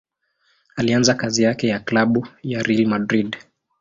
Alianza kazi yake na klabu ya Real Madrid.